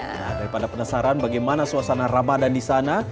nah daripada penasaran bagaimana suasana ramadan di sana